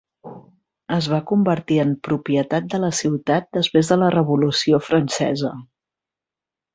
Es va convertir en propietat de la ciutat després de la Revolució Francesa.